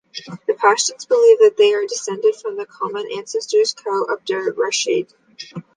The Pashtuns believe that they are descended from the common ancestor Qais Abdur Rashid.